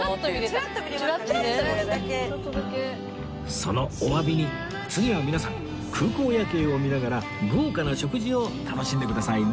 そのおわびに次は皆さん空港夜景を見ながら豪華な食事を楽しんでくださいね